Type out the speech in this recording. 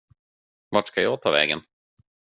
Vart ska jag ta vägen?